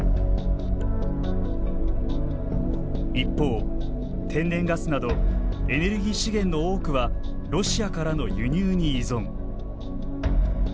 一方天然ガスなどエネルギー資源の多くはロシアからの輸入に依存。